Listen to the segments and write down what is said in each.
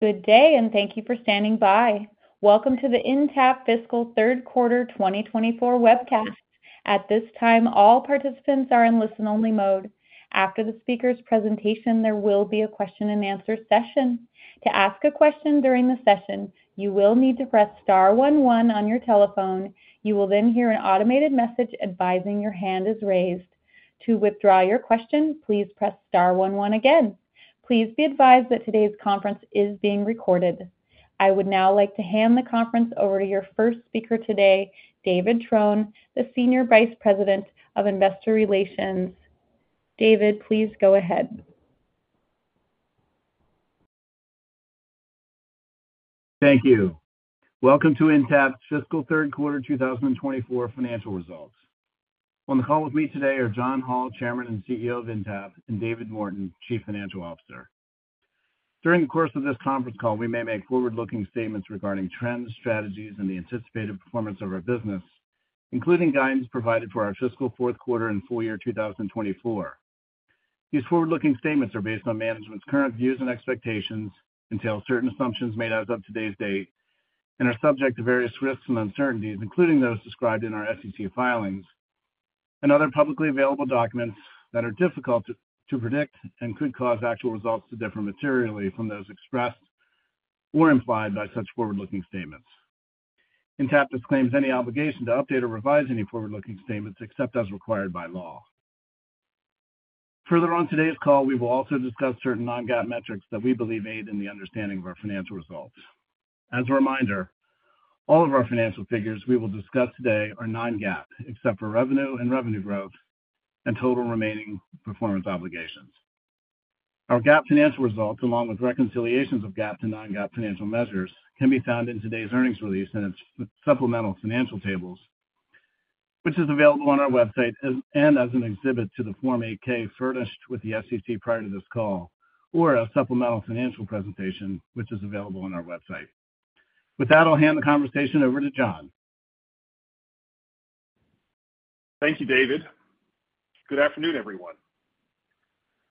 Good day, and thank you for standing by. Welcome to the Intapp Fiscal Third Quarter 2024 webcast. At this time, all participants are in listen-only mode. After the speaker's presentation, there will be a question-and-answer session. To ask a question during the session, you will need to press star one one on your telephone. You will then hear an automated message advising your hand is raised. To withdraw your question, please press star one one again. Please be advised that today's conference is being recorded. I would now like to hand the conference over to your first speaker today, David Trone, the Senior Vice President of Investor Relations. David, please go ahead. Thank you. Welcome to Intapp's Fiscal Third Quarter 2024 financial results. On the call with me today are John Hall, Chairman and CEO of Intapp, and David Morton, Chief Financial Officer. During the course of this conference call, we may make forward-looking statements regarding trends, strategies, and the anticipated performance of our business, including guidance provided for our fiscal fourth quarter and full year 2024. These forward-looking statements are based on management's current views and expectations, entail certain assumptions made as of today's date, and are subject to various risks and uncertainties, including those described in our SEC filings and other publicly available documents that are difficult to predict and could cause actual results to differ materially from those expressed or implied by such forward-looking statements. Intapp disclaims any obligation to update or revise any forward-looking statements except as required by law. Further on today's call, we will also discuss certain non-GAAP metrics that we believe aid in the understanding of our financial results. As a reminder, all of our financial figures we will discuss today are non-GAAP, except for revenue and revenue growth and total remaining performance obligations. Our GAAP financial results, along with reconciliations of GAAP to non-GAAP financial measures, can be found in today's earnings release and its supplemental financial tables, which is available on our website as and as an exhibit to the Form 8-K furnished with the SEC prior to this call, or our supplemental financial presentation, which is available on our website. With that, I'll hand the conversation over to John. Thank you, David. Good afternoon, everyone.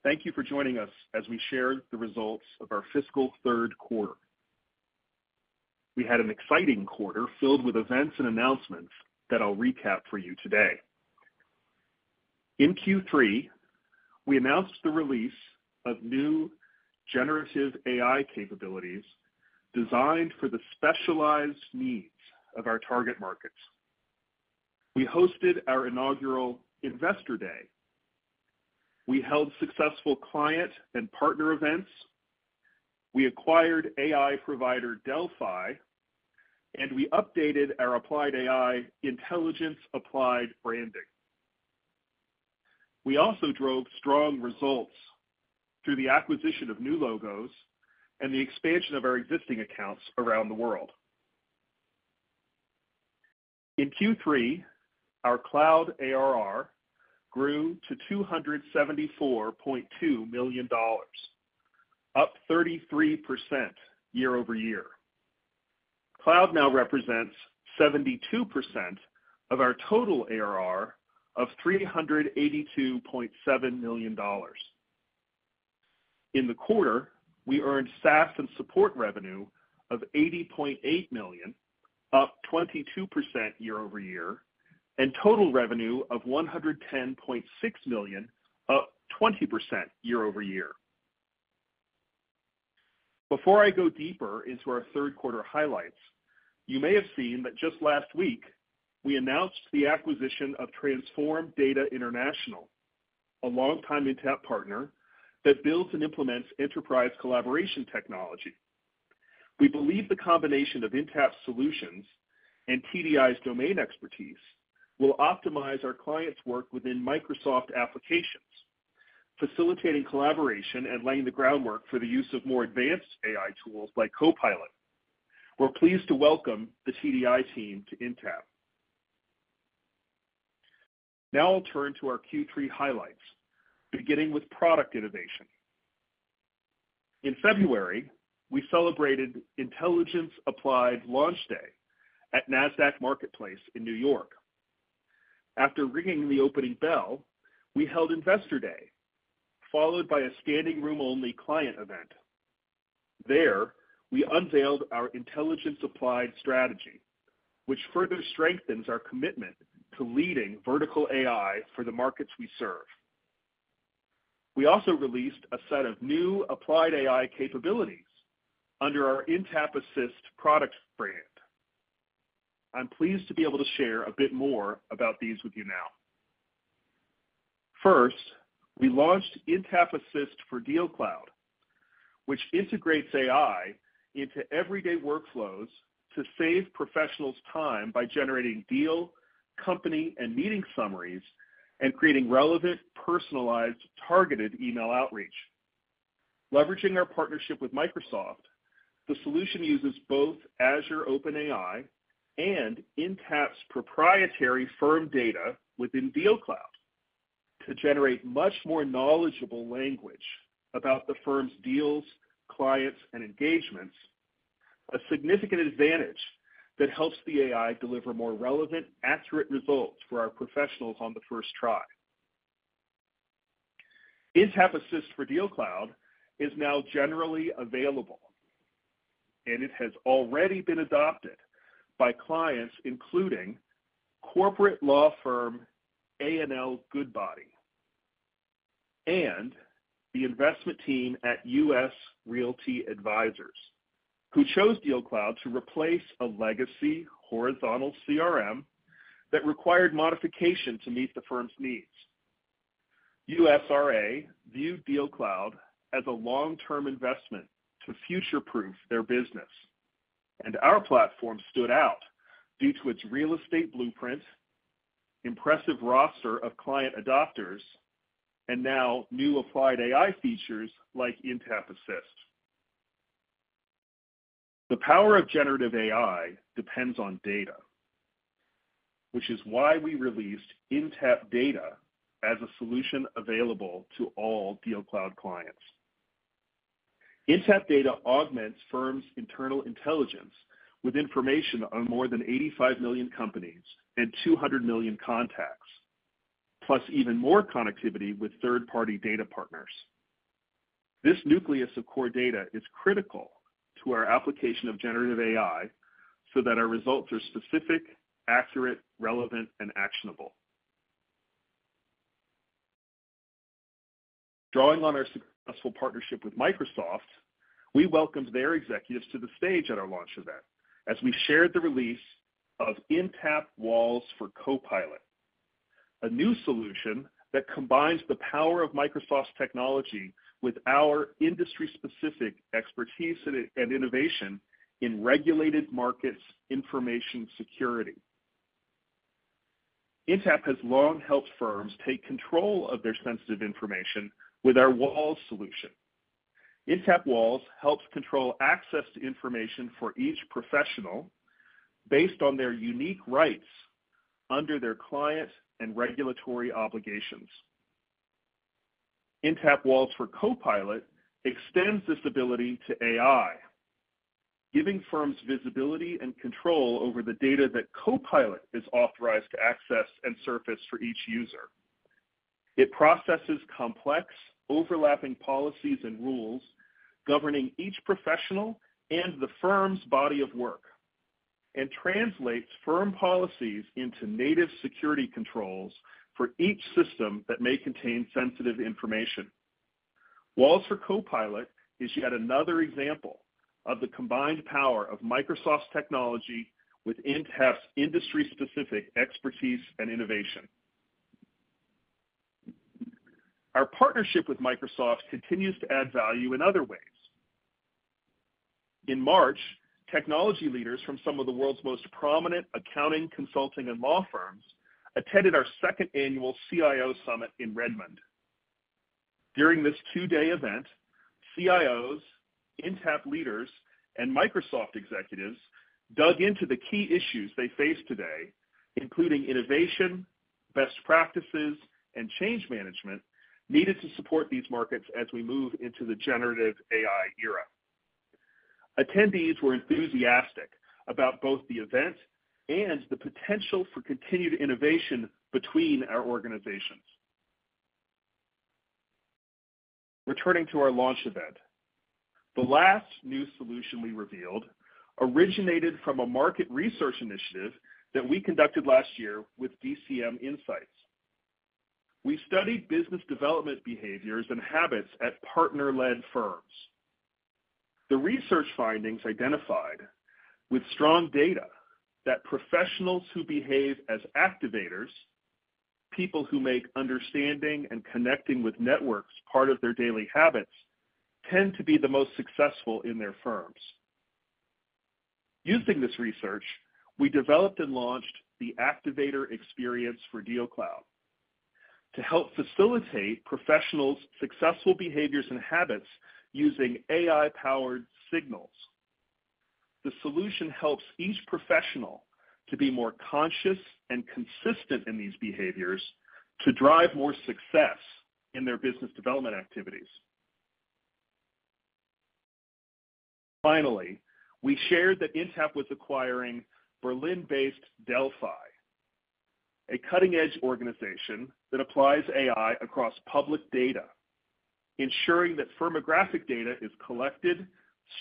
Thank you for joining us as we share the results of our fiscal third quarter. We had an exciting quarter filled with events and announcements that I'll recap for you today. In Q3, we announced the release of new generative AI capabilities designed for the specialized needs of our target markets. We hosted our inaugural Investor Day. We held successful client and partner events. We acquired AI provider delphai, and we updated our Applied AI Intelligence Applied branding. We also drove strong results through the acquisition of new logos and the expansion of our existing accounts around the world. In Q3, our Cloud ARR grew to $274.2 million, up 33% year-over-year. Cloud now represents 72% of our total ARR of $382.7 million. In the quarter, we earned SaaS and support revenue of $80.8 million, up 22% year-over-year, and total revenue of $110.6 million, up 20% year-over-year. Before I go deeper into our third quarter highlights, you may have seen that just last week, we announced the acquisition of Transform Data International, a longtime Intapp partner that builds and implements enterprise collaboration technology. We believe the combination of Intapp's solutions and TDI's domain expertise will optimize our clients' work within Microsoft applications, facilitating collaboration and laying the groundwork for the use of more advanced AI tools like Copilot. We're pleased to welcome the TDI team to Intapp. Now I'll turn to our Q3 highlights, beginning with product innovation. In February, we celebrated Intelligence Applied Launch Day at Nasdaq Marketplace in New York. After ringing the opening bell, we held Investor Day, followed by a standing-room-only client event. There, we unveiled our Intelligence Applied strategy, which further strengthens our commitment to leading vertical AI for the markets we serve. We also released a set of new Applied AI capabilities under our Intapp Assist product brand. I'm pleased to be able to share a bit more about these with you now. First, we launched Intapp Assist for DealCloud, which integrates AI into everyday workflows to save professionals time by generating deal, company, and meeting summaries and creating relevant, personalized, targeted email outreach. Leveraging our partnership with Microsoft, the solution uses both Azure OpenAI and Intapp's proprietary firm data within DealCloud to generate much more knowledgeable language about the firm's deals, clients, and engagements, a significant advantage that helps the AI deliver more relevant, accurate results for our professionals on the first try. Intapp Assist for DealCloud is now generally available, and it has already been adopted by clients, including corporate law firm A&L Goodbody, and the investment team at US Realty Advisors, who chose DealCloud to replace a legacy horizontal CRM that required modification to meet the firm's needs. USRA viewed DealCloud as a long-term investment to future-proof their business, and our platform stood out due to its real estate blueprint, impressive roster of client adopters, and now new Applied AI features like Intapp Assist. The power of Generative AI depends on data, which is why we released Intapp Data as a solution available to all DealCloud clients. Intapp Data augments firms' internal intelligence with information on more than 85 million companies and 200 million contacts, plus even more connectivity with third-party data partners. This nucleus of core data is critical to our application of generative AI so that our results are specific, accurate, relevant, and actionable. Drawing on our successful partnership with Microsoft, we welcomed their executives to the stage at our launch event as we shared the release of Intapp Walls for Copilot, a new solution that combines the power of Microsoft's technology with our industry-specific expertise and innovation in regulated markets information security. Intapp has long helped firms take control of their sensitive information with our Walls solution. Intapp Walls helps control access to information for each professional based on their unique rights under their client and regulatory obligations. Intapp Walls for Copilot extends this ability to AI, giving firms visibility and control over the data that Copilot is authorized to access and surface for each user. It processes complex, overlapping policies and rules governing each professional and the firm's body of work, and translates firm policies into native security controls for each system that may contain sensitive information. Walls for Copilot is yet another example of the combined power of Microsoft's technology with Intapp's industry-specific expertise and innovation. Our partnership with Microsoft continues to add value in other ways. In March, technology leaders from some of the world's most prominent accounting, consulting, and law firms attended our second annual CIO Summit in Redmond. During this two-day event, CIOs, Intapp leaders, and Microsoft executives dug into the key issues they face today, including innovation, best practices, and change management needed to support these markets as we move into the Generative AI era. Attendees were enthusiastic about both the event and the potential for continued innovation between our organizations. Returning to our launch event, the last new solution we revealed originated from a market research initiative that we conducted last year with DCM Insights. We studied business development behaviors and habits at partner-led firms. The research findings identified with strong data that professionals who behave as activators, people who make understanding and connecting with networks part of their daily habits, tend to be the most successful in their firms. Using this research, we developed and launched the Activator Experience for DealCloud to help facilitate professionals' successful behaviors and habits using AI-powered signals. The solution helps each professional to be more conscious and consistent in these behaviors to drive more success in their business development activities. Finally, we shared that Intapp was acquiring Berlin-based delphai, a cutting-edge organization that applies AI across public data, ensuring that firmographic data is collected,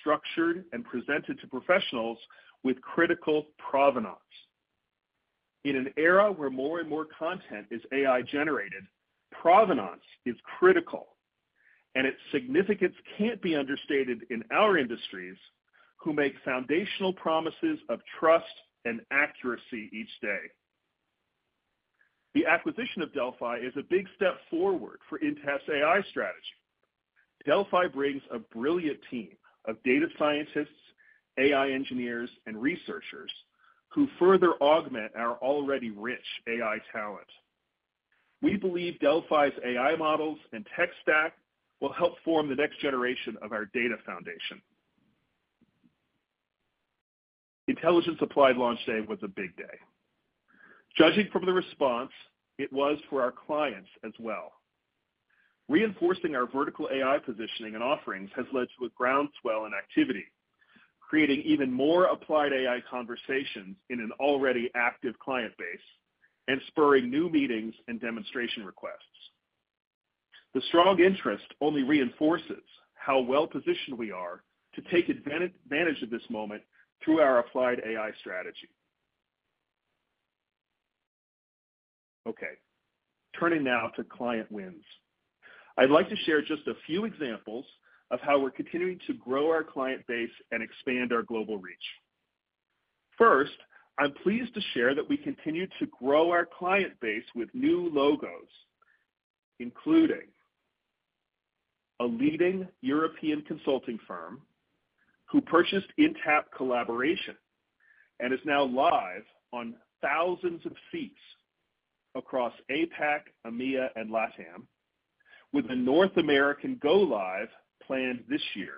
structured, and presented to professionals with critical provenance. In an era where more and more content is AI-generated, provenance is critical, and its significance can't be understated in our industries, who make foundational promises of trust and accuracy each day. The acquisition of delphai is a big step forward for Intapp's AI strategy. delphai brings a brilliant team of data scientists, AI engineers, and researchers who further augment our already rich AI talent. We believe delphai's AI models and tech stack will help form the next generation of our data foundation. Intelligence Applied Launch Day was a big day. Judging from the response, it was for our clients as well. Reinforcing our vertical AI positioning and offerings has led to a groundswell in activity, creating even more Applied AI conversations in an already active client base and spurring new meetings and demonstration requests. The strong interest only reinforces how well-positioned we are to take advantage of this moment through our Applied AI strategy. Okay, turning now to client wins. I'd like to share just a few examples of how we're continuing to grow our client base and expand our global reach. First, I'm pleased to share that we continue to grow our client base with new logos, including a leading European consulting firm who purchased Intapp Collaboration and is now live on thousands of seats across APAC, EMEA, and LATAM, with a North American go live planned this year.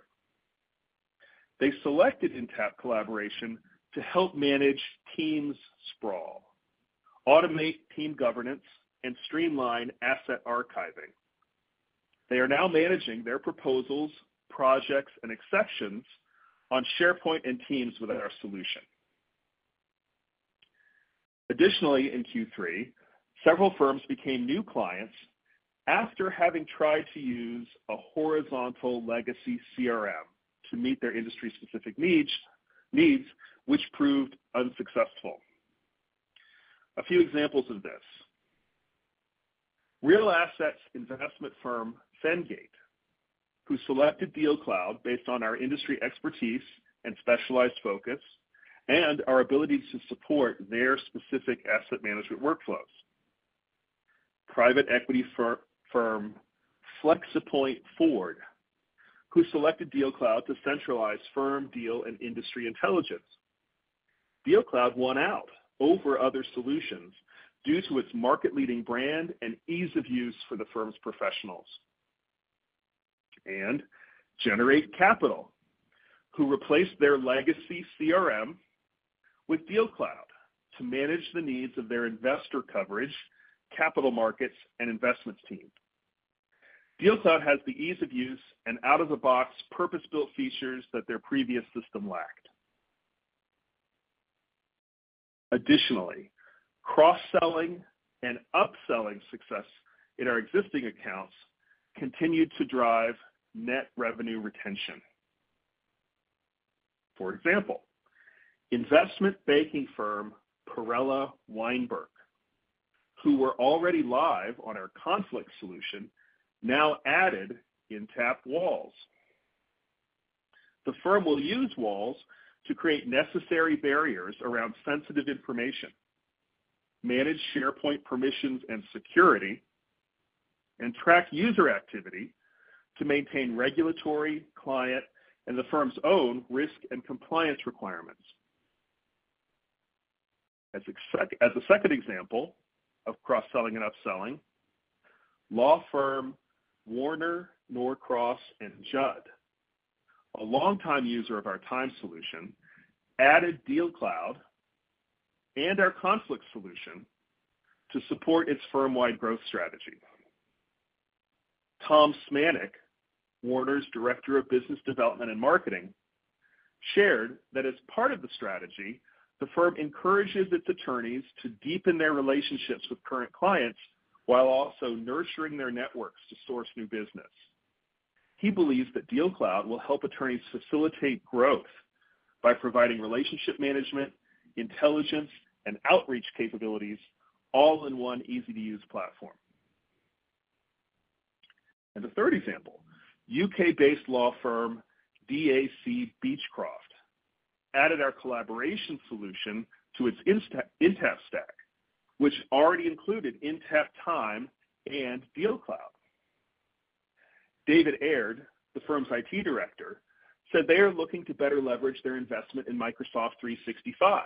They selected Intapp Collaboration to help manage teams sprawl, automate team governance, and streamline asset archiving. They are now managing their proposals, projects, and exceptions on SharePoint and Teams with our solution. Additionally, in Q3, several firms became new clients after having tried to use a horizontal legacy CRM to meet their industry-specific needs, which proved unsuccessful. A few examples of this: real assets investment firm, Sagard, who selected DealCloud based on our industry expertise and specialized focus and our ability to support their specific asset management workflows. Private equity firm Flexpoint Ford, who selected DealCloud to centralize firm, deal, and industry intelligence. DealCloud won out over other solutions due to its market-leading brand and ease of use for the firm's professionals. Generate Capital, who replaced their legacy CRM with DealCloud to manage the needs of their investor coverage, capital markets, and investments team. DealCloud has the ease of use and out-of-the-box purpose-built features that their previous system lacked. Additionally, cross-selling and upselling success in our existing accounts continued to drive net revenue retention. For example, investment banking firm, Perella Weinberg, who were already live on our conflict solution, now added Intapp Walls. The firm will use Walls to create necessary barriers around sensitive information, manage SharePoint permissions and security, and track user activity to maintain regulatory, client, and the firm's own risk and compliance requirements. As a second example of cross-selling and upselling, law firm Warner Norcross and Judd, a longtime user of our time solution, added DealCloud and our conflict solution to support its firm-wide growth strategy. Tom Smanik, Warner's Director of Business Development and Marketing, shared that as part of the strategy, the firm encourages its attorneys to deepen their relationships with current clients while also nurturing their networks to source new business. He believes that DealCloud will help attorneys facilitate growth by providing relationship management, intelligence, and outreach capabilities, all in one easy-to-use platform. And the third example, UK-based law firm DAC Beachcroft added our collaboration solution to its Intapp stack, which already included Intapp Time and DealCloud. David Aird, the firm's IT Director, said they are looking to better leverage their investment in Microsoft 365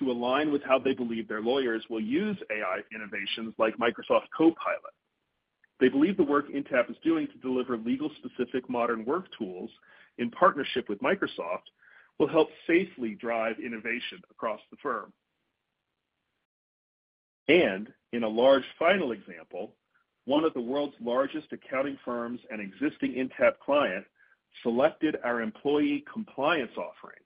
to align with how they believe their lawyers will use AI innovations like Microsoft Copilot. They believe the work Intapp is doing to deliver legal-specific modern work tools in partnership with Microsoft will help safely drive innovation across the firm. And in a large final example, one of the world's largest accounting firms and existing Intapp client selected our employee compliance offering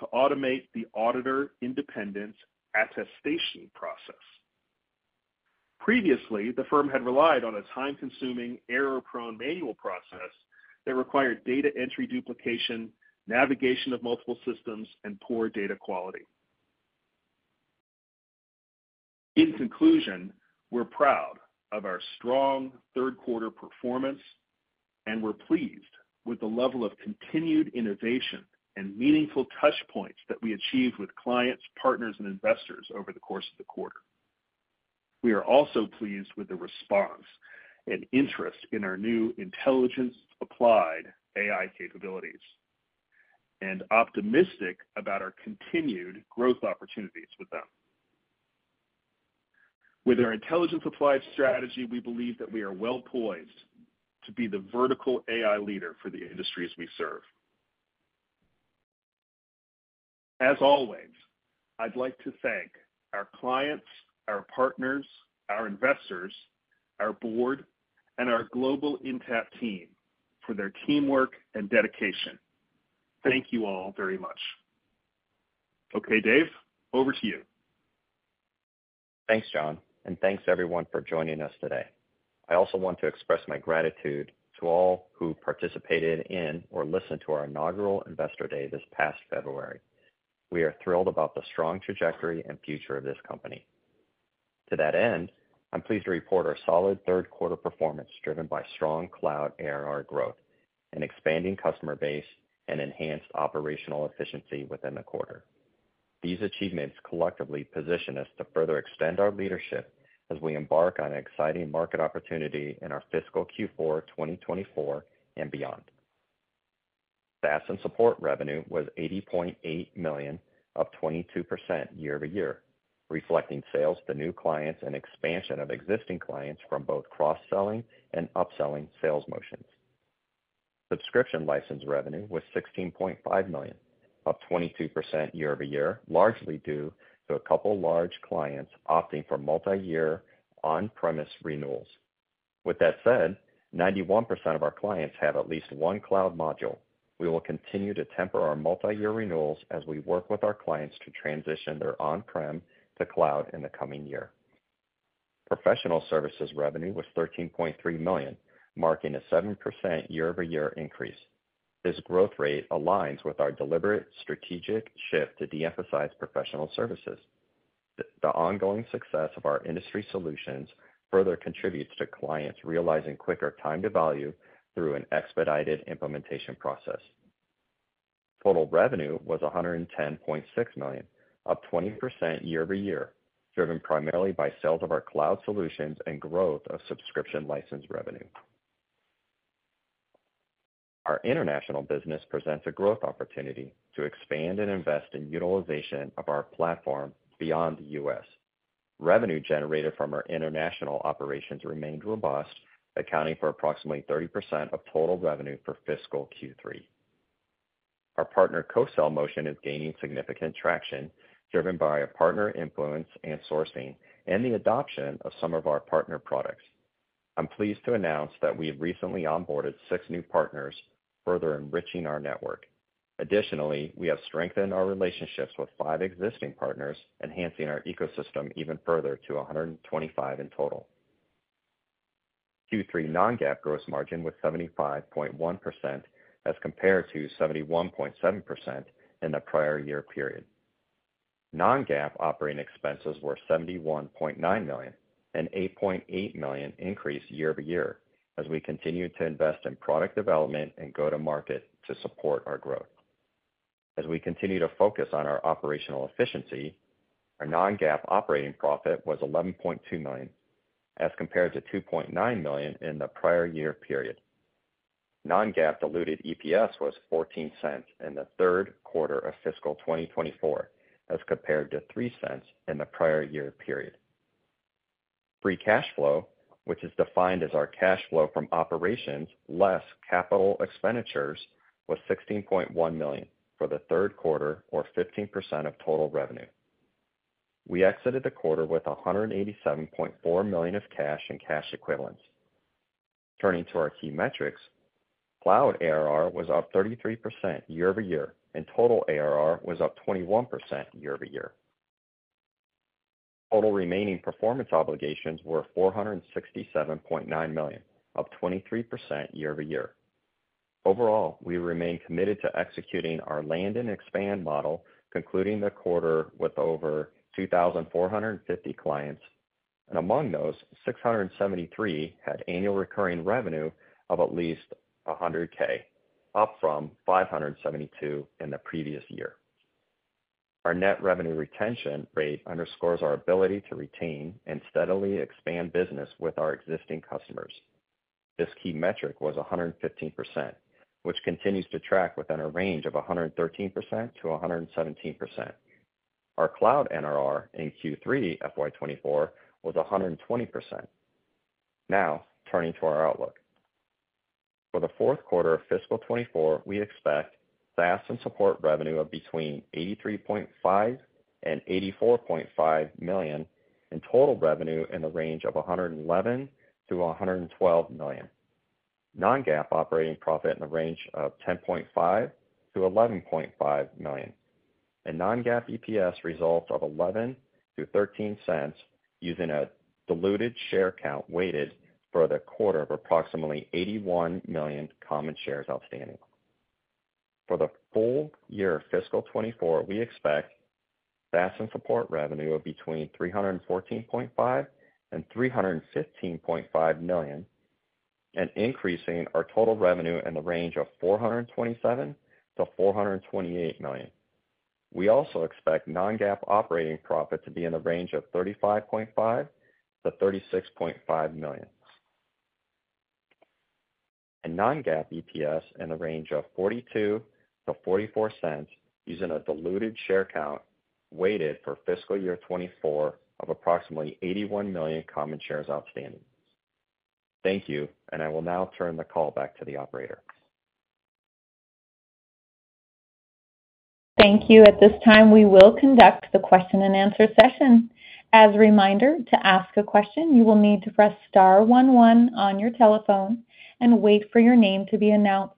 to automate the auditor independence attestation process. Previously, the firm had relied on a time-consuming, error-prone manual process that required data entry duplication, navigation of multiple systems, and poor data quality. In conclusion, we're proud of our strong third quarter performance, and we're pleased with the level of continued innovation and meaningful touch points that we achieved with clients, partners, and investors over the course of the quarter. We are also pleased with the response and interest in our new Intelligence Applied AI capabilities and optimistic about our continued growth opportunities with them. With our Intelligence Applied strategy, we believe that we are well-poised to be the vertical AI leader for the industries we serve. As always, I'd like to thank our clients, our partners, our investors, our board, and our global Intapp team for their teamwork and dedication. Thank you all very much. Okay, Dave, over to you. Thanks, John, and thanks everyone for joining us today. I also want to express my gratitude to all who participated in or listened to our inaugural Investor Day this past February. We are thrilled about the strong trajectory and future of this company. To that end, I'm pleased to report our solid third quarter performance, driven by strong Cloud ARR growth, an expanding customer base, and enhanced operational efficiency within the quarter. These achievements collectively position us to further extend our leadership as we embark on an exciting market opportunity in our fiscal Q4 2024 and beyond. SaaS and support revenue was $80.8 million, up 22% year-over-year, reflecting sales to new clients and expansion of existing clients from both cross-selling and upselling sales motions. Subscription license revenue was $16.5 million, up 22% year-over-year, largely due to a couple large clients opting for multiyear on-premise renewals. With that said, 91% of our clients have at least one cloud module. We will continue to temper our multiyear renewals as we work with our clients to transition their on-prem to cloud in the coming year. Professional services revenue was $13.3 million, marking a 7% year-over-year increase. This growth rate aligns with our deliberate strategic shift to de-emphasize professional services. The ongoing success of our industry solutions further contributes to clients realizing quicker time to value through an expedited implementation process. Total revenue was $110.6 million, up 20% year-over-year, driven primarily by sales of our cloud solutions and growth of subscription license revenue. Our international business presents a growth opportunity to expand and invest in utilization of our platform beyond the U.S. Revenue generated from our international operations remained robust, accounting for approximately 30% of total revenue for fiscal Q3. Our partner co-sell motion is gaining significant traction, driven by a partner influence and sourcing and the adoption of some of our partner products. I'm pleased to announce that we have recently onboarded 6 new partners, further enriching our network. Additionally, we have strengthened our relationships with 5 existing partners, enhancing our ecosystem even further to 125 in total. Q3 non-GAAP gross margin was 75.1%, as compared to 71.7% in the prior year period. Non-GAAP operating expenses were $71.9 million, an $8.8 million increase year over year, as we continued to invest in product development and go-to-market to support our growth. As we continue to focus on our operational efficiency, our non-GAAP operating profit was $11.2 million, as compared to $2.9 million in the prior year period. Non-GAAP diluted EPS was $0.14 in the third quarter of fiscal 2024, as compared to $0.03 in the prior year period. Free cash flow, which is defined as our cash flow from operations less capital expenditures, was $16.1 million for the third quarter, or 15% of total revenue. We exited the quarter with $187.4 million of cash and cash equivalents. Turning to our key metrics, Cloud ARR was up 33% year-over-year, and total ARR was up 21% year-over-year. Total Remaining Performance Obligations were $467.9 million, up 23% year-over-year. Overall, we remain committed to executing our land and expand model, concluding the quarter with over 2,450 clients, and among those, 673 had annual recurring revenue of at least 100K, up from 572 in the previous year. Our Net Revenue Retention rate underscores our ability to retain and steadily expand business with our existing customers. This key metric was 115%, which continues to track within a range of 113%-117%. Our Cloud NRR in Q3 FY 2024 was 120%. Now, turning to our outlook. For the fourth quarter of fiscal 2024, we expect SaaS and support revenue of between $83.5 million and $84.5 million, and total revenue in the range of $111 million-$112 million. Non-GAAP operating profit in the range of $10.5 million-$11.5 million, and non-GAAP EPS results of $0.11-$0.13, using a diluted share count weighted for the quarter of approximately 81 million common shares outstanding. For the full year fiscal 2024, we expect SaaS and support revenue of between $314.5 million and $315.5 million, and increasing our total revenue in the range of $427 million-$428 million. We also expect non-GAAP operating profit to be in the range of $35.5 million-$36.5 million. Non-GAAP EPS in the range of $0.42-$0.44, using a diluted share count weighted for fiscal year 2024 of approximately 81 million common shares outstanding. Thank you, and I will now turn the call back to the operator. Thank you. At this time, we will conduct the question and answer session. As a reminder, to ask a question, you will need to press star one one on your telephone and wait for your name to be announced.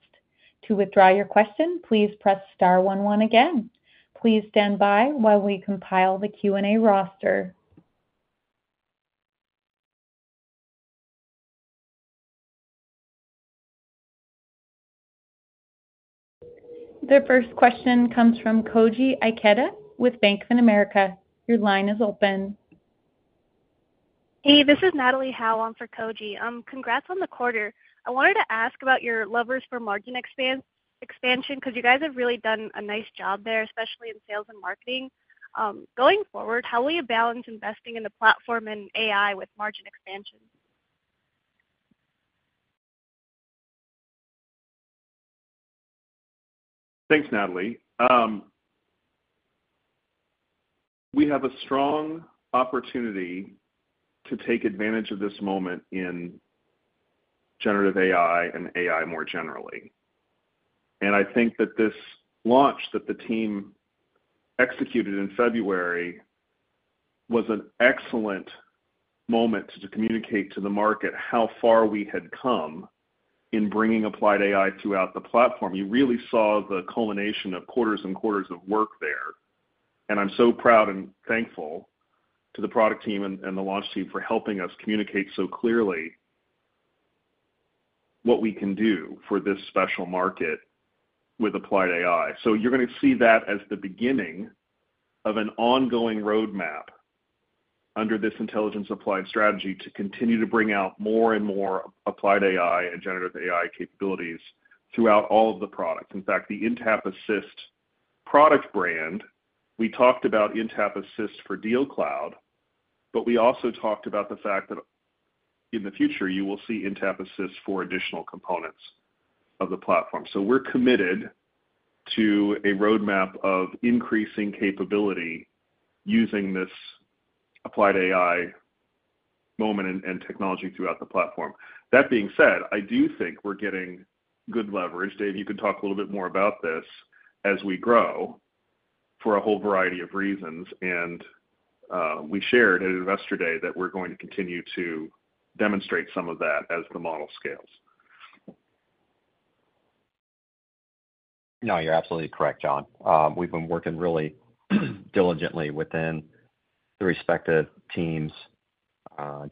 To withdraw your question, please press star one one again. Please stand by while we compile the Q&A roster. The first question comes from Koji Ikeda with Bank of America. Your line is open. Hey, this is Natalie Howe on for Koji. Congrats on the quarter. I wanted to ask about your levers for margin expansion, because you guys have really done a nice job there, especially in sales and marketing. Going forward, how will you balance investing in the platform and AI with margin expansion? Thanks, Natalie. We have a strong opportunity to take advantage of this moment in generative AI and AI more generally. I think that this launch that the team executed in February was an excellent moment to communicate to the market how far we had come in bringing Applied AI throughout the platform. You really saw the culmination of quarters and quarters of work there, and I'm so proud and thankful to the product team and the launch team for helping us communicate so clearly what we can do for this special market with Applied AI. You're going to see that as the beginning of an ongoing roadmap under this Intelligence Applied strategy, to continue to bring out more and more Applied AI and generative AI capabilities throughout all of the products. In fact, the Intapp Assist product brand, we talked about Intapp Assist for DealCloud, but we also talked about the fact that in the future, you will see Intapp Assist for additional components of the platform. So we're committed to a roadmap of increasing capability using this Applied AI moment and, and technology throughout the platform. That being said, I do think we're getting good leverage. Dave, you can talk a little bit more about this as we grow for a whole variety of reasons, and we shared at Investor Day that we're going to continue to demonstrate some of that as the model scales. No, you're absolutely correct, John. We've been working really diligently within the respective teams,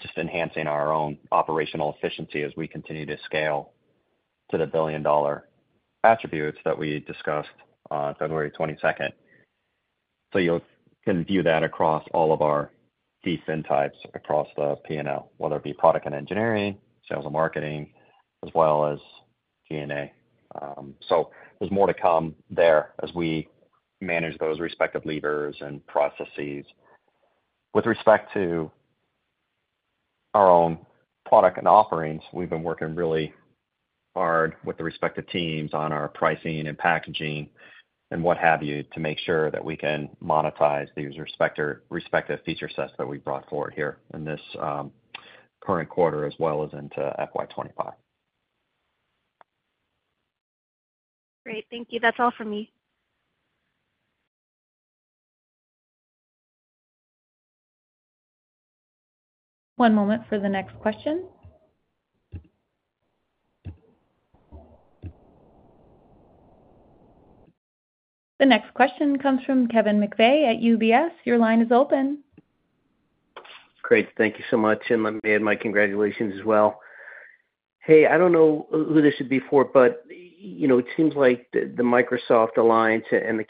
just enhancing our own operational efficiency as we continue to scale to the billion-dollar attributes that we discussed on 22 February. So you can view that across all of our different types, across the P&L, whether it be product and engineering, sales and marketing, as well as G&A. So there's more to come there as we manage those respective levers and processes. With respect to our own product and offerings, we've been working really hard with the respective teams on our pricing and packaging and what have you, to make sure that we can monetize these respective feature sets that we've brought forward here in this current quarter as well as into FY 25. Great. Thank you. That's all for me. One moment for the next question. The next question comes from Kevin McVeigh at UBS. Your line is open. Great. Thank you so much, and let me add my congratulations as well. Hey, I don't know who this should be for, but, you know, it seems like the Microsoft alliance and the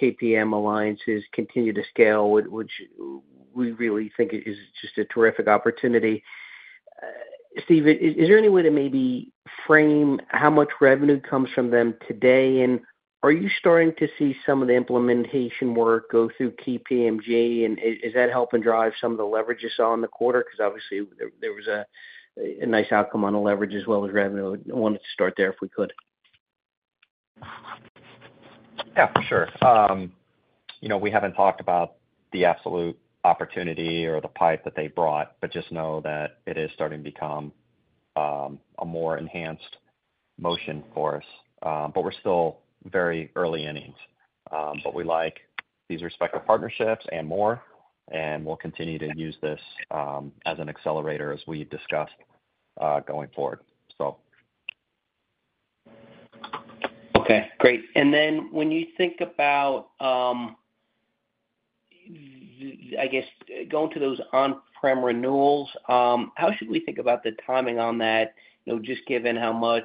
KPMG alliance has continued to scale, which we really think is just a terrific opportunity. Dave, is there any way to maybe frame how much revenue comes from them today? And are you starting to see some of the implementation work go through KPMG, and is that helping drive some of the leverage you saw in the quarter? Because obviously there was a nice outcome on the leverage as well as revenue. I wanted to start there, if we could. Yeah, for sure. You know, we haven't talked about the absolute opportunity or the pipe that they brought, but just know that it is starting to become a more enhanced motion for us. But we're still very early innings. But we like these respective partnerships and more, and we'll continue to use this as an accelerator, as we discussed, going forward, so. Okay, great. And then when you think about, I guess, going to those on-prem renewals, how should we think about the timing on that? You know, just given how much,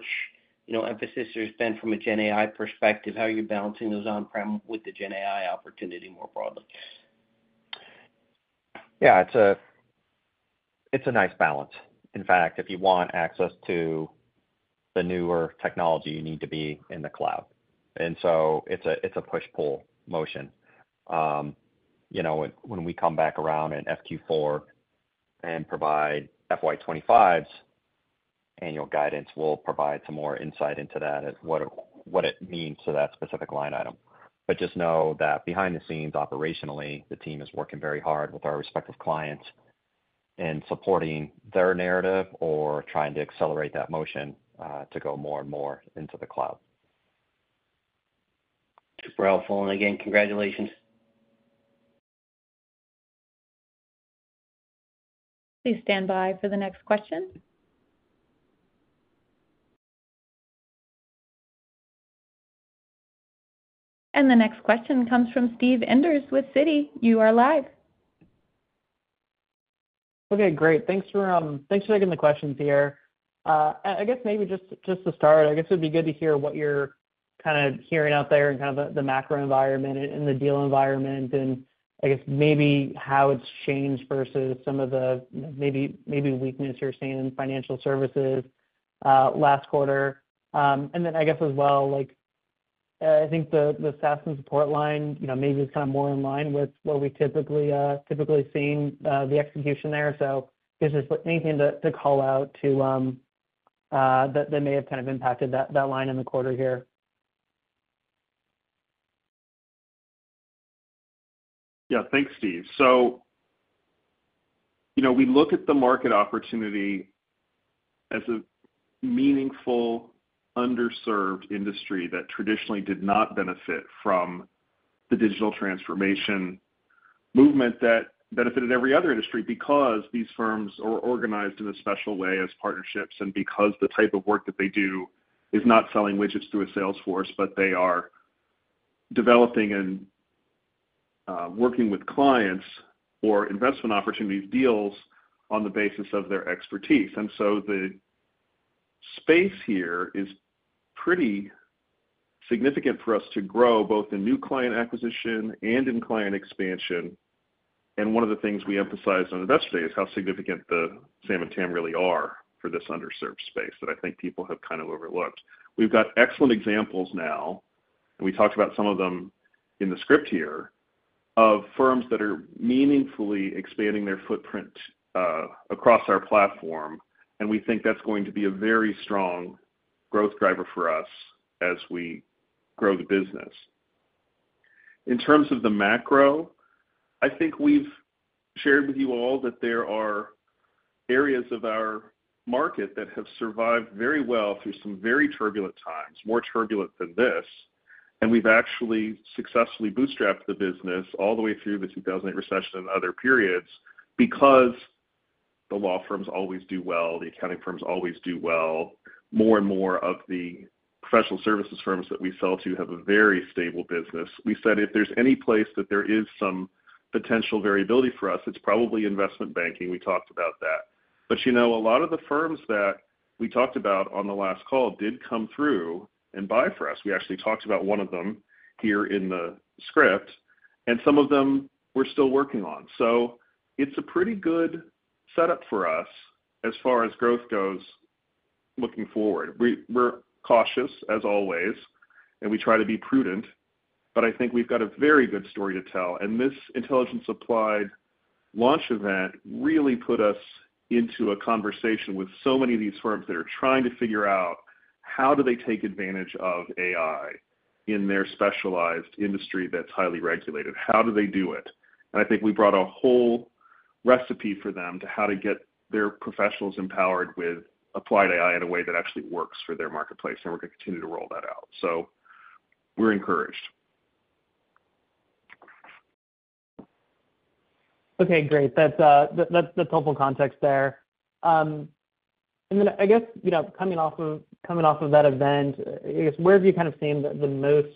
you know, emphasis there's been from a GenAI perspective, how are you balancing those on-prem with the GenAI opportunity more broadly? Yeah, it's a nice balance. In fact, if you want access to the newer technology, you need to be in the cloud. And so it's a push-pull motion. You know, when we come back around in FQ4 and provide FY 2025 annual guidance, we'll provide some more insight into that and what, what it means to that specific line item. But just know that behind the scenes, operationally, the team is working very hard with our respective clients in supporting their narrative or trying to accelerate that motion to go more and more into the cloud. Super helpful. And again, congratulations. Please stand by for the next question. The next question comes from Steve Enders with Citi. You are live. Okay, great. Thanks for taking the questions here. I guess maybe just to start, I guess it'd be good to hear what you're kinda hearing out there in kind of the macro environment and the deal environment, and I guess maybe how it's changed versus some of the maybe weakness you're seeing in financial services last quarter. And then I guess as well, like, I think the SaaS and support line, you know, maybe it's kind of more in line with what we typically seeing the execution there. So if there's anything to call out to that may have kind of impacted that line in the quarter here. Yeah. Thanks, Steve. So, you know, we look at the market opportunity as a meaningful, underserved industry that traditionally did not benefit from the digital transformation movement that benefited every other industry, because these firms are organized in a special way as partnerships, and because the type of work that they do is not selling widgets to a sales force, but they are developing and working with clients or investment opportunities, deals on the basis of their expertise. And so the space here is pretty significant for us to grow, both in new client acquisition and in client expansion. And one of the things we emphasized on Investor Day is how significant the SAM and TAM really are for this underserved space, that I think people have kind of overlooked. We've got excellent examples now, and we talked about some of them in the script here, of firms that are meaningfully expanding their footprint across our platform, and we think that's going to be a very strong growth driver for us as we grow the business. In terms of the macro, I think we've shared with you all that there are areas of our market that have survived very well through some very turbulent times, more turbulent than this, and we've actually successfully bootstrapped the business all the way through the 2008 recession and other periods, because the law firms always do well, the accounting firms always do well. More and more of the professional services firms that we sell to have a very stable business. We said if there's any place that there is some potential variability for us, it's probably investment banking. We talked about that. But, you know, a lot of the firms that we talked about on the last call did come through and buy from us. We actually talked about one of them here in the script, and some of them we're still working on. So it's a pretty good setup for us as far as growth goes looking forward. We're cautious, as always, and we try to be prudent, but I think we've got a very good story to tell. And this Intelligence Applied launch event really put us into a conversation with so many of these firms that are trying to figure out how do they take advantage of AI in their specialized industry that's highly regulated? How do they do it? I think we brought a whole recipe for them to how to get their professionals empowered with Applied AI in a way that actually works for their marketplace, and we're gonna continue to roll that out. We're encouraged. Okay, great. That's, that's helpful context there. And then I guess, you know, coming off of, coming off of that event, I guess, where have you kind of seen the, the most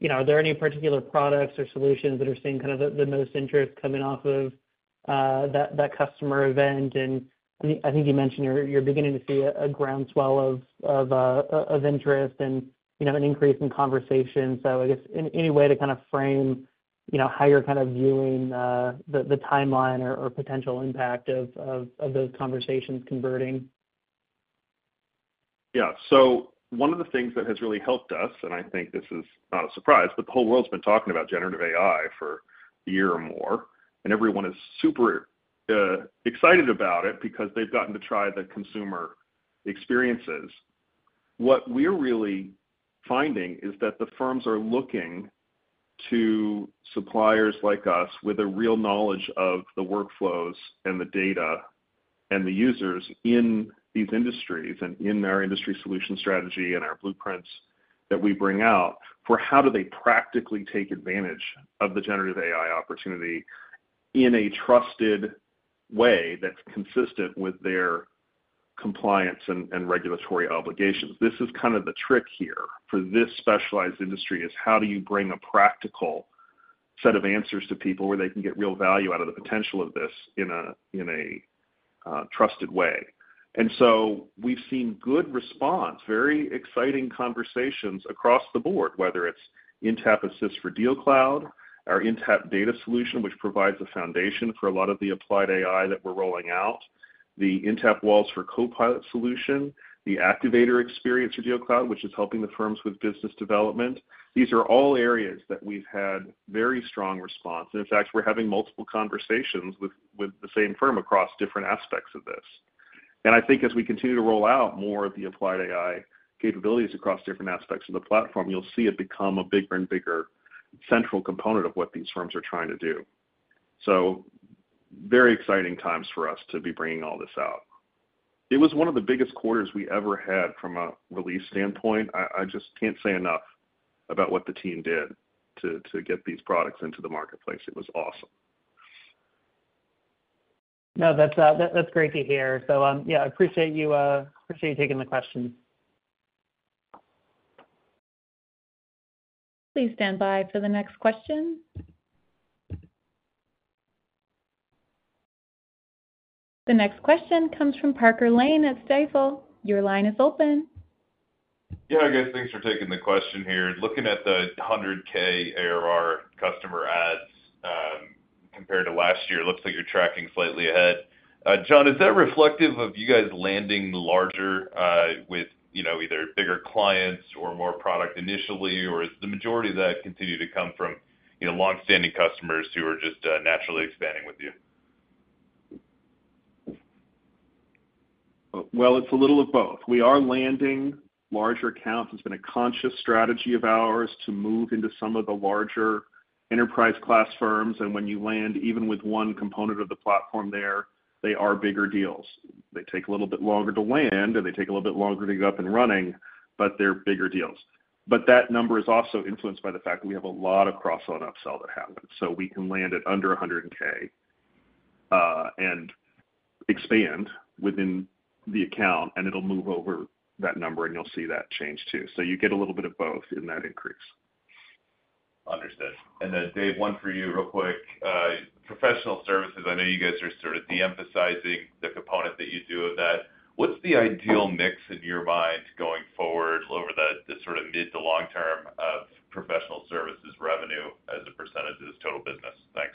you know, are there any particular products or solutions that are seeing kind of the, the most interest coming off of, that customer event? And I think, I think you mentioned you're, you're beginning to see a, a groundswell of, of, interest and, you know, an increase in conversation. So I guess, any, any way to kind of frame, you know, how you're kind of viewing, the timeline or, or potential impact of, of, those conversations converting? Yeah. So one of the things that has really helped us, and I think this is not a surprise, but the whole world's been talking about generative AI for a year or more, and everyone is super excited about it because they've gotten to try the consumer experiences. What we're really finding is that the firms are looking to suppliers like us, with a real knowledge of the workflows and the data and the users in these industries, and in our industry solution strategy and our blueprints that we bring out, for how do they practically take advantage of the generative AI opportunity in a trusted way that's consistent with their compliance and, and regulatory obligations? This is kind of the trick here for this specialized industry, is how do you bring a practical set of answers to people where they can get real value out of the potential of this in a trusted way? And so we've seen good response, very exciting conversations across the board, whether it's Intapp Assist for DealCloud, our Intapp Data solution, which provides a foundation for a lot of the Applied AI that we're rolling out, the Intapp Walls for Copilot solution, the Activator Experience for DealCloud, which is helping the firms with business development. These are all areas that we've had very strong response. And in fact, we're having multiple conversations with the same firm across different aspects of this. I think as we continue to roll out more of the Applied AI capabilities across different aspects of the platform, you'll see it become a bigger and bigger central component of what these firms are trying to do. Very exciting times for us to be bringing all this out. It was one of the biggest quarters we ever had from a release standpoint. I just can't say enough about what the team did to get these products into the marketplace. It was awesome. No, that's great to hear. So, yeah, I appreciate you appreciate you taking the question. Please stand by for the next question. The next question comes from Parker Lane at Stifel. Your line is open. Yeah, guys, thanks for taking the question here. Looking at the $100K ARR customer adds, compared to last year, it looks like you're tracking slightly ahead. John, is that reflective of you guys landing larger, with, you know, either bigger clients or more product initially? Or is the majority of that continue to come from, you know, long-standing customers who are just, naturally expanding with you? Well, it's a little of both. We are landing larger accounts. It's been a conscious strategy of ours to move into some of the larger enterprise-class firms, and when you land, even with one component of the platform there, they are bigger deals. They take a little bit longer to land, and they take a little bit longer to get up and running, but they're bigger deals. But that number is also influenced by the fact that we have a lot of cross on upsell that happens. So we can land at under $100K and expand within the account, and it'll move over that number, and you'll see that change too. So you get a little bit of both in that increase. Understood. And then, Dave, one for you real quick. Professional services, I know you guys are sort of de-emphasizing the component that you do of that. What's the ideal mix in your mind going forward over the sort of mid to long term of professional services revenue as a percentage of this total business? Thanks.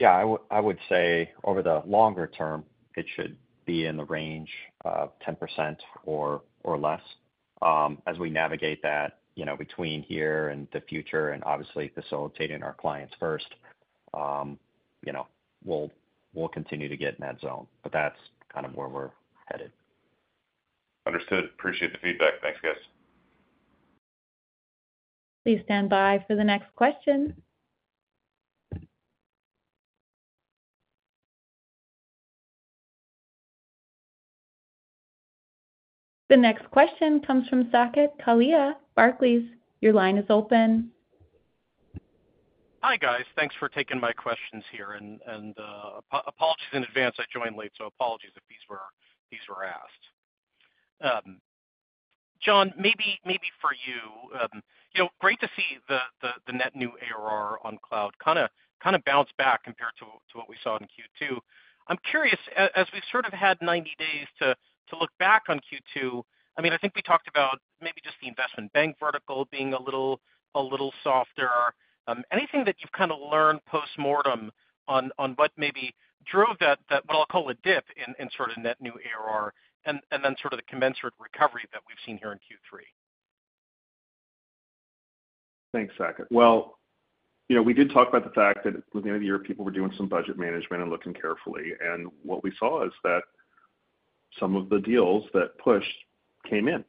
Yeah, I would say over the longer term, it should be in the range of 10% or less. As we navigate that, you know, between here and the future and obviously facilitating our clients first, you know, we'll continue to get in that zone, but that's kind of where we're headed. Understood. Appreciate the feedback. Thanks, guys. Please stand by for the next question. The next question comes from Saket Kalia, Barclays. Your line is open. Hi, guys. Thanks for taking my questions here, and apologies in advance. I joined late, so apologies if these were asked. John, maybe for you, you know, great to see the net new ARR on cloud kinda bounce back compared to what we saw in Q2. I'm curious, as we've sort of had 90 days to look back on Q2. I mean, I think we talked about maybe just the investment bank vertical being a little softer. Anything that you've kind of learned postmortem on what maybe drove that, what I'll call a dip in sort of net new ARR, and then sort of the commensurate recovery that we've seen here in Q3? Thanks, Saket. Well, you know, we did talk about the fact that at the end of the year, people were doing some budget management and looking carefully, and what we saw is that some of the deals that pushed came in.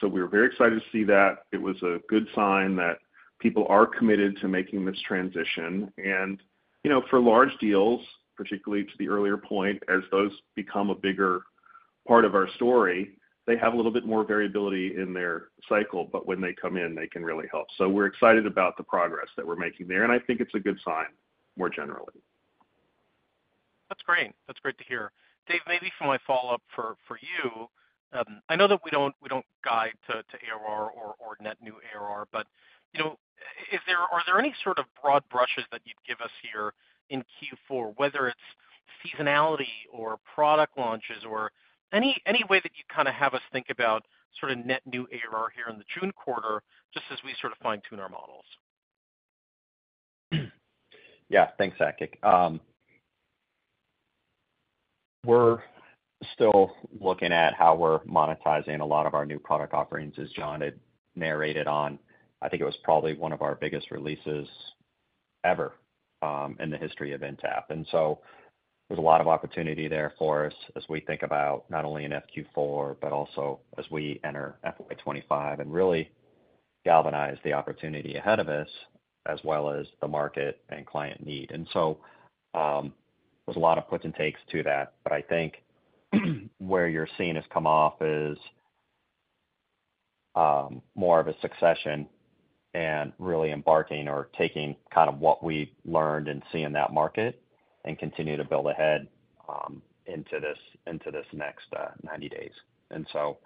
So we were very excited to see that. It was a good sign that people are committed to making this transition. You know, for large deals, particularly to the earlier point, as those become a bigger part of our story, they have a little bit more variability in their cycle, but when they come in, they can really help. So we're excited about the progress that we're making there, and I think it's a good sign more generally. That's great. That's great to hear. Dave, maybe for my follow-up for you. I know that we don't guide to ARR or net new ARR, but you know, is there, are there any sort of broad brushes that you'd give us here in Q4, whether it's seasonality or product launches or any way that you kind of have us think about sort of net new ARR here in the June quarter, just as we sort of fine-tune our models? Yeah. Thanks, Saket. We're still looking at how we're monetizing a lot of our new product offerings, as John had narrated on. I think it was probably one of our biggest releases ever, in the history of Intapp. And so there's a lot of opportunity there for us as we think about not only in FQ4, but also as we enter FY 2025 and really galvanize the opportunity ahead of us, as well as the market and client need. And so, there's a lot of puts and takes to that, but I think, where you're seeing us come off is, more of a succession and really embarking or taking kind of what we learned and seeing that market and continue to build ahead, into this, into this next, 90 days. And so,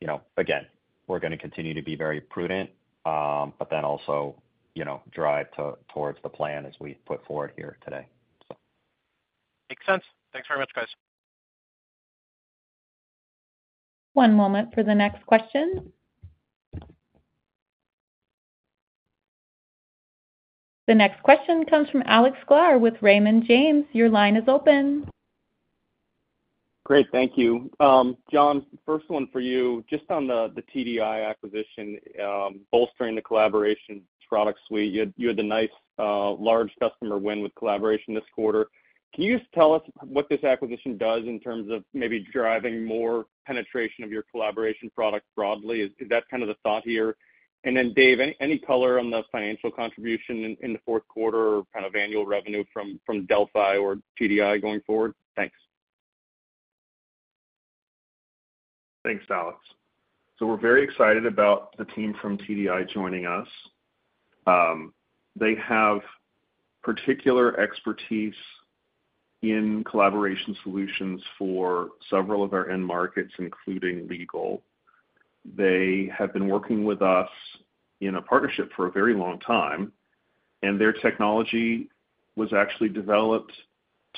you know, again, we're gonna continue to be very prudent, but then also, you know, drive towards the plan as we put forward here today, so. Makes sense. Thanks very much, guys. One moment for the next question. The next question comes from Alex Sklar with Raymond James. Your line is open. Great, thank you. John, first one for you, just on the, the TDI acquisition, bolstering the collaboration product suite. You had, you had the nice, large customer win with collaboration this quarter. Can you just tell us what this acquisition does in terms of maybe driving more penetration of your collaboration product broadly? Is that kind of the thought here? And then, Dave, any color on the financial contribution in, in the fourth quarter or kind of annual revenue from delphai or TDI going forward? Thanks. Thanks, Alex. We're very excited about the team from TDI joining us. They have particular expertise in collaboration solutions for several of our end markets, including legal. They have been working with us in a partnership for a very long time, and their technology was actually developed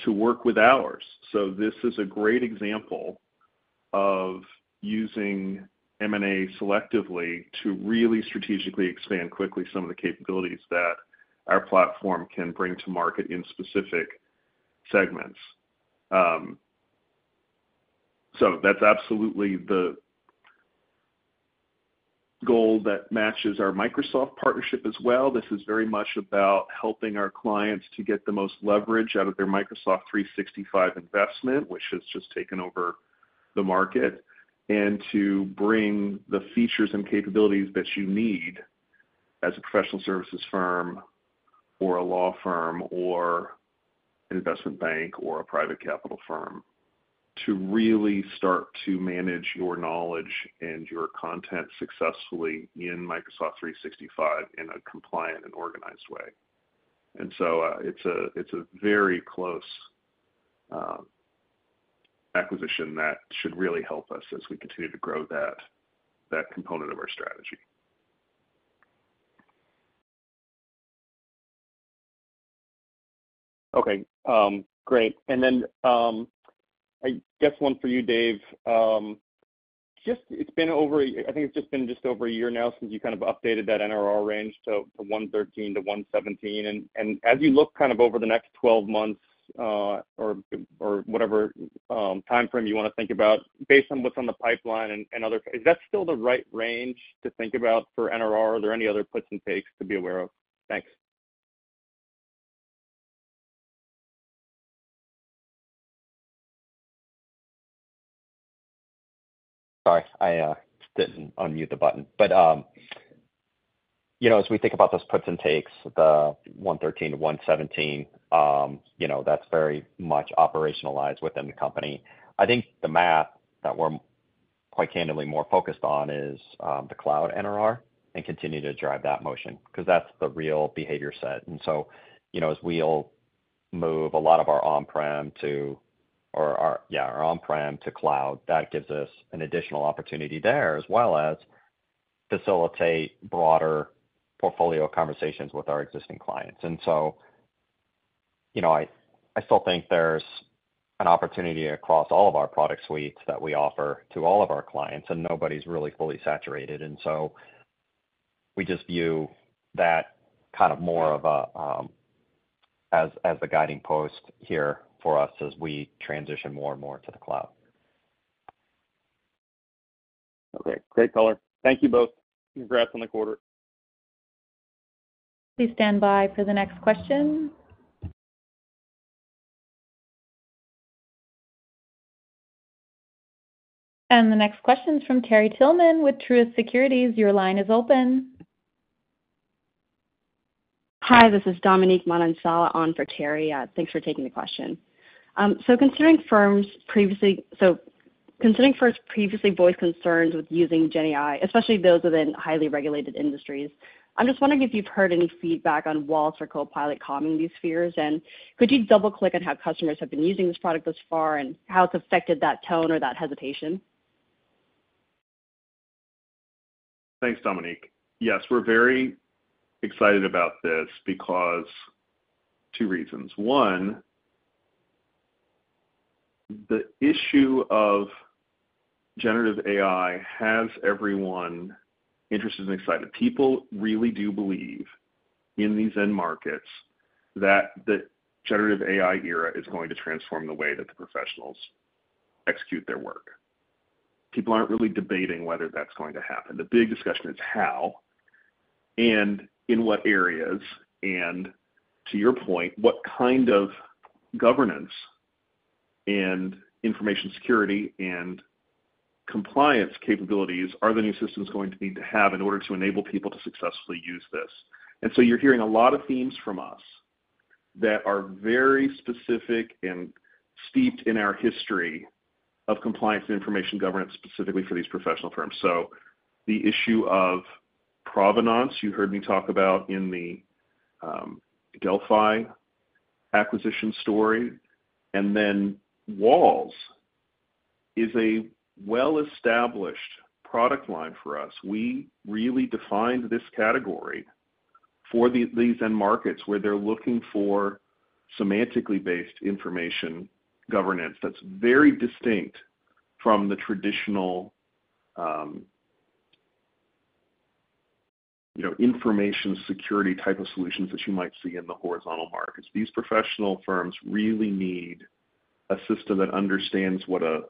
to work with ours. This is a great example of using M&A selectively to really strategically expand quickly some of the capabilities that our platform can bring to market in specific segments. That's absolutely the goal that matches our Microsoft partnership as well. This is very much about helping our clients to get the most leverage out of their Microsoft 365 investment, which has just taken over the market, and to bring the features and capabilities that you need as a professional services firm or a law firm or an investment bank or a private capital firm, to really start to manage your knowledge and your content successfully in Microsoft 365 in a compliant and organized way. And so, it's a very close acquisition that should really help us as we continue to grow that component of our strategy. Okay, great. And then, I guess one for you, Dave. Just, it's been over, I think it's just been just over a year now since you kind of updated that NRR range to 113%-117%. And as you look kind of over the next 12 months, or whatever timeframe you wanna think about, based on what's on the pipeline and other, is that still the right range to think about for NRR, or are there any other puts and takes to be aware of? Thanks. Sorry, I didn't unmute the button. But, you know, as we think about those puts and takes, the 113-117, you know, that's very much operationalized within the company. I think the math that we're quite candidly more focused on is the Cloud NRR and continue to drive that motion, 'cause that's the real behavior set. And so, you know, as we all move a lot of our on-prem to cloud, that gives us an additional opportunity there, as well as facilitate broader portfolio conversations with our existing clients. And so, you know, I still think there's an opportunity across all of our product suites that we offer to all of our clients, and nobody's really fully saturated. And so we just view that kind of more of a guidepost here for us as we transition more and more to the cloud. Okay, great color. Thank you both. Congrats on the quarter. Please stand by for the next question. The next question is from Terry Tillman with Truist Securities. Your line is open. Hi, this is Dominique Manansala on for Terry. Thanks for taking the question. So considering firms previously voiced concerns with using GenAI, especially those within highly regulated industries, I'm just wondering if you've heard any feedback on Walls or Copilot calming these fears. And could you double-click on how customers have been using this product thus far, and how it's affected that tone or that hesitation? Thanks, Dominique. Yes, we're very excited about this because two reasons. One, the issue of generative AI has everyone interested and excited. People really do believe in these end markets, that the generative AI era is going to transform the way that the professionals execute their work. People aren't really debating whether that's going to happen. The big discussion is how and in what areas, and to your point, what kind of governance and information security and compliance capabilities are the new systems going to need to have in order to enable people to successfully use this? And so you're hearing a lot of themes from us that are very specific and steeped in our history of compliance and information governance, specifically for these professional firms. So the issue of provenance, you heard me talk about in the delphai acquisition story, and then Walls is a well-established product line for us. We really defined this category for these end markets, where they're looking for semantically based information governance that's very distinct from the traditional, you know, information security type of solutions that you might see in the horizontal markets. These professional firms really need a system that understands what an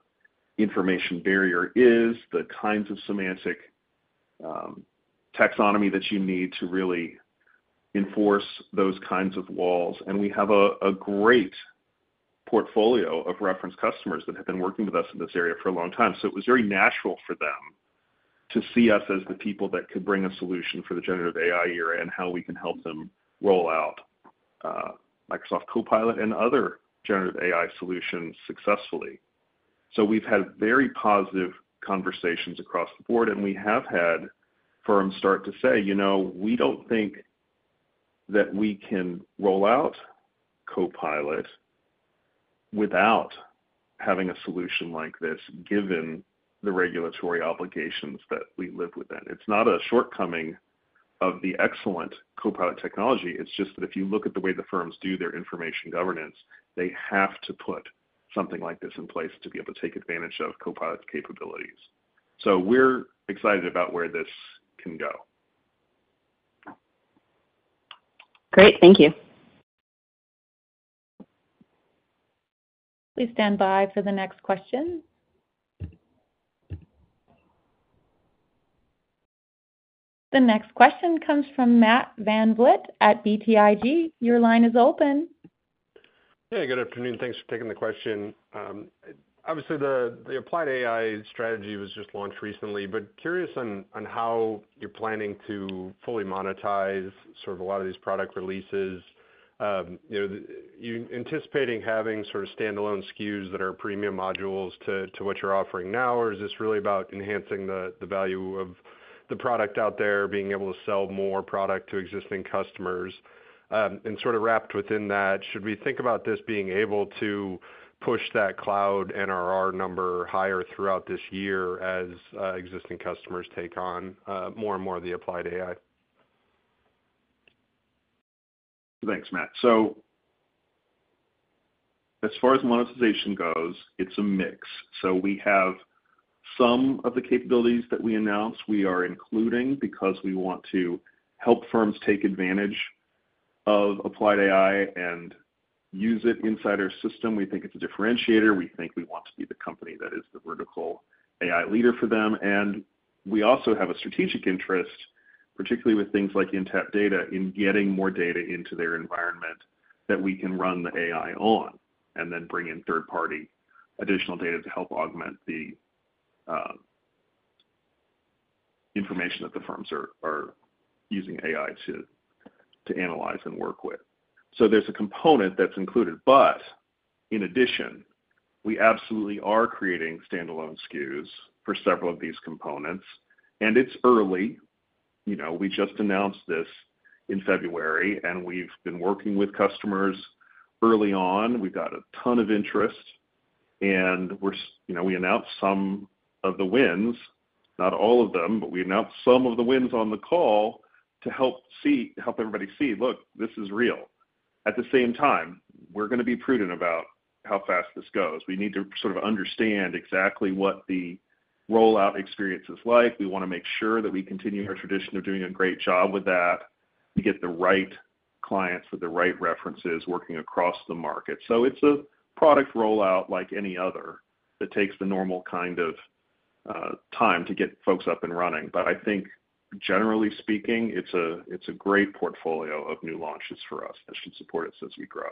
information barrier is, the kinds of semantic taxonomy that you need to really enforce those kinds of walls. And we have a great portfolio of reference customers that have been working with us in this area for a long time. So it was very natural for them to see us as the people that could bring a solution for the Generative AI era and how we can help them roll out, Microsoft Copilot and other Generative AI solutions successfully. So we've had very positive conversations across the board, and we have had firms start to say: "You know, we don't think that we can roll out Copilot without having a solution like this, given the regulatory obligations that we live within." It's not a shortcoming of the excellent Copilot technology. It's just that if you look at the way the firms do their information governance, they have to put something like this in place to be able to take advantage of Copilot's capabilities. So we're excited about where this can go. Great. Thank you. Please stand by for the next question. The next question comes from Matt Van Vliet at BTIG. Your line is open. Hey, good afternoon. Thanks for taking the question. Obviously, the Applied AI strategy was just launched recently, but curious on how you're planning to fully monetize sort of a lot of these product releases. You know, you anticipating having sort of standalone SKUs that are premium modules to what you're offering now? Or is this really about enhancing the value of the product out there, being able to sell more product to existing customers? And sort of wrapped within that, should we think about this being able to push that Cloud NRR number higher throughout this year as existing customers take on more and more of the Applied AI? Thanks, Matt. So as far as monetization goes, it's a mix. So we have some of the capabilities that we announced, we are including because we want to help firms take advantage of Applied AI and use it inside our system. We think it's a differentiator. We think we want to be the company that is the vertical AI leader for them. And we also have a strategic interest, particularly with things like Intapp data, in getting more data into their environment that we can run the AI on, and then bring in third-party additional data to help augment the information that the firms are using AI to analyze and work with. So there's a component that's included. But in addition, we absolutely are creating standalone SKUs for several of these components, and it's early. You know, we just announced this in February, and we've been working with customers early on. We've got a ton of interest, and we're, you know, we announced some of the wins, not all of them, but we announced some of the wins on the call to help everybody see, look, this is real. At the same time, we're gonna be prudent about how fast this goes. We need to sort of understand exactly what the rollout experience is like. We wanna make sure that we continue our tradition of doing a great job with that, to get the right clients with the right references working across the market. So it's a product rollout like any other, that takes the normal kind of time to get folks up and running. But I think generally speaking, it's a great portfolio of new launches for us that should support us as we grow.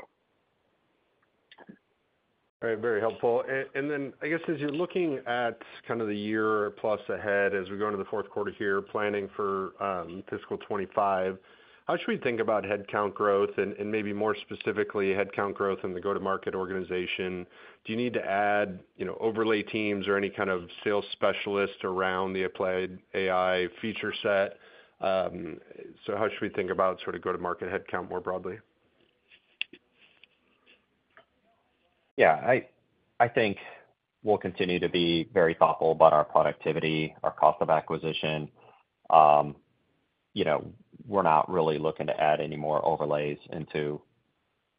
All right, very helpful. And then I guess, as you're looking at kind of the year plus ahead, as we go into the fourth quarter here, planning for fiscal 2025, how should we think about headcount growth and, and maybe more specifically, headcount growth in the go-to-market organization? Do you need to add, you know, overlay teams or any kind of sales specialists around the Applied AI feature set? So how should we think about sort of go-to-market headcount more broadly? Yeah. I think we'll continue to be very thoughtful about our productivity, our cost of acquisition. You know, we're not really looking to add any more overlays into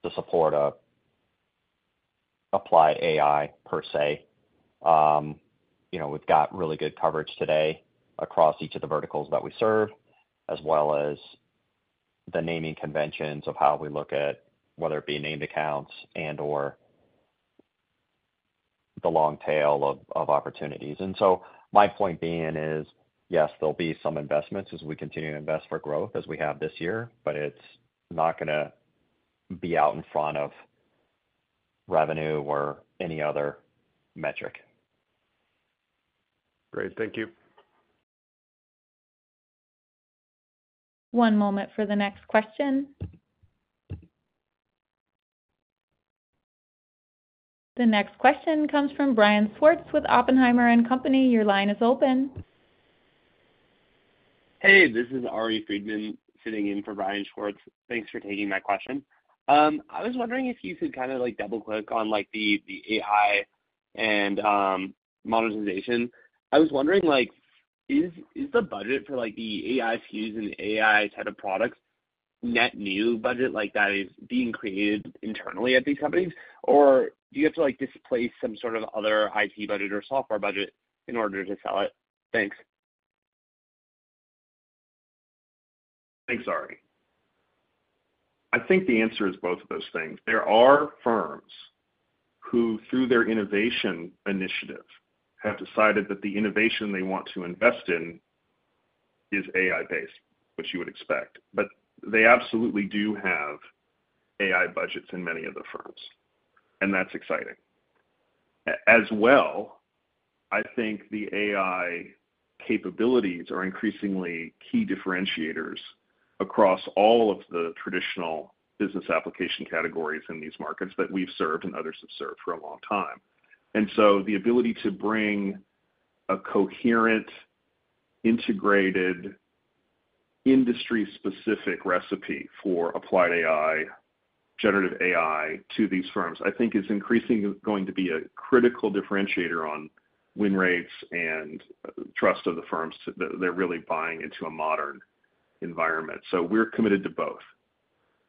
the support of Applied AI, per se. You know, we've got really good coverage today across each of the verticals that we serve, as well as the naming conventions of how we look at whether it be named accounts and/or the long tail of opportunities. And so my point being is, yes, there'll be some investments as we continue to invest for growth as we have this year, but it's not gonna be out in front of revenue or any other metric. Great. Thank you. One moment for the next question. The next question comes from Brian Schwartz with Oppenheimer and Company. Your line is open. Hey, this is Ari Friedman, sitting in for Brian Schwartz. Thanks for taking my question. I was wondering if you could kind of, like, double-click on, like, the AI and monetization. I was wondering, like, is the budget for, like, the AI SKUs and AI type of products net new budget like that is being created internally at these companies? Or do you have to, like, displace some sort of other IT budget or software budget in order to sell it? Thanks. Thanks, Ari. I think the answer is both of those things. There are firms who, through their innovation initiatives, have decided that the innovation they want to invest in is AI-based, which you would expect, but they absolutely do have AI budgets in many of the firms, and that's exciting. As well, I think the AI capabilities are increasingly key differentiators across all of the traditional business application categories in these markets that we've served and others have served for a long time. And so the ability to bring a coherent, integrated, industry-specific recipe for Applied AI, generative AI, to these firms, I think is increasingly going to be a critical differentiator on win rates and trust of the firms that they're really buying into a modern environment. So we're committed to both.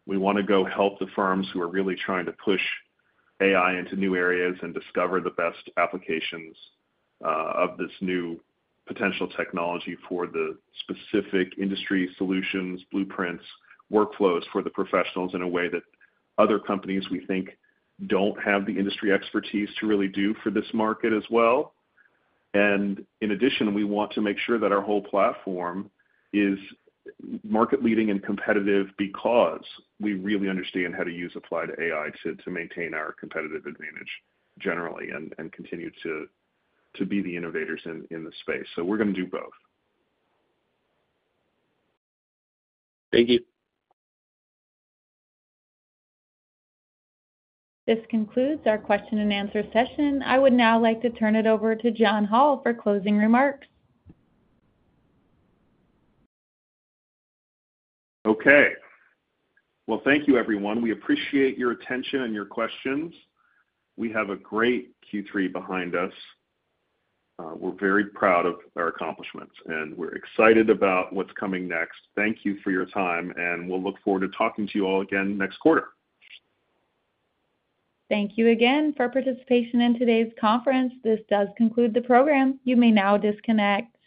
We wanna go help the firms who are really trying to push AI into new areas and discover the best applications of this new potential technology for the specific industry solutions, blueprints, workflows for the professionals in a way that other companies, we think, don't have the industry expertise to really do for this market as well. And in addition, we want to make sure that our whole platform is market leading and competitive because we really understand how to use Applied AI to maintain our competitive advantage generally and continue to be the innovators in this space. So we're gonna do both. Thank you. This concludes our question and answer session. I would now like to turn it over to John Hall for closing remarks. Okay. Well, thank you, everyone. We appreciate your attention and your questions. We have a great Q3 behind us. We're very proud of our accomplishments, and we're excited about what's coming next. Thank you for your time, and we'll look forward to talking to you all again next quarter. Thank you again for participation in today's conference. This does conclude the program. You may now disconnect.